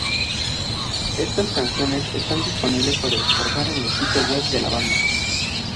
Estas canciones están disponibles para descargar en el sitio web de la banda.